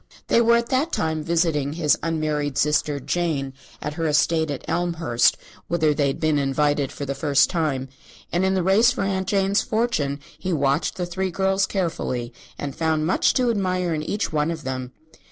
They were at that time visiting his unmarried sister, Jane, at her estate at Elmhurst, whither they had been invited for the first time; and in the race for Aunt Jane's fortune he watched the three girls carefully and found much to admire in each one of them.